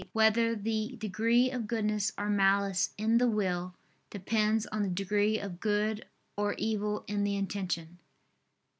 (8) Whether the degree of goodness or malice in the will depends on the degree of good or evil in the intention?